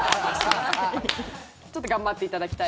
ちょっと頑張っていただきたい。